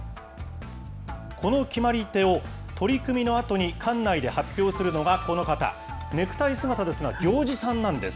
この決まり手を、取組のあとに館内で発表するのがこの方、ネクタイ姿ですが、行司さんなんです。